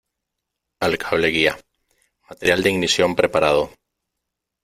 Al cable guía . Material de ignición preparado .